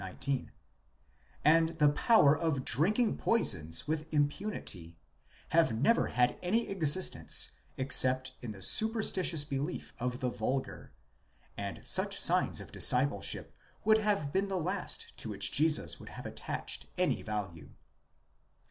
19) and the power of drinking poisons with impunity, have never had any existence except in the superstitious belief of the vulgar, and such signs of discipleship would have been the last to which Jesus would have attached any value.